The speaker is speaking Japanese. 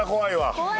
怖い！